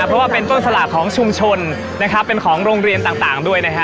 เพราะว่าเป็นต้นสลากของชุมชนนะครับเป็นของโรงเรียนต่างด้วยนะฮะ